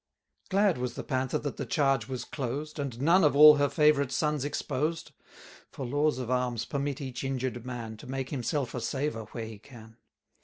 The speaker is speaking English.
340 Glad was the Panther that the charge was closed, And none of all her favourite sons exposed. For laws of arms permit each injured man, To make himself a saver where he can.